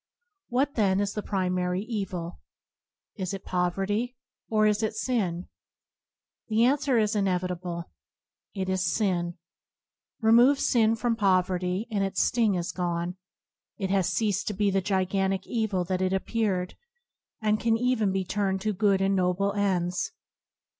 What, then, is the pri mary evil : is it poverty, or is it sin ? The answer is inevitable — it is sin. Remove sin from poverty, and its sting is gone; it has ceased to be the gigantic evil that it ap peared, and can even be turned to good and noble ends.